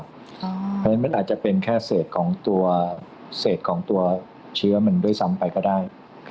เพราะฉะนั้นมันอาจจะเป็นแค่เศษของตัวเศษของตัวเชื้อมันด้วยซ้ำไปก็ได้